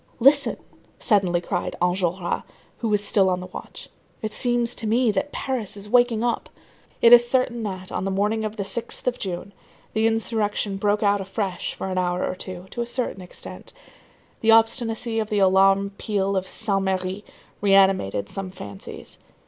"Listen," suddenly cried Enjolras, who was still on the watch, "it seems to me that Paris is waking up." It is certain that, on the morning of the 6th of June, the insurrection broke out afresh for an hour or two, to a certain extent. The obstinacy of the alarm peal of Saint Merry reanimated some fancies.